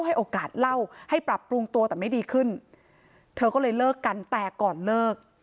ให้โอกาสเล่าให้ปรับปรุงตัวแต่ไม่ดีขึ้นเธอก็เลยเลิกกันแต่ก่อนเลิก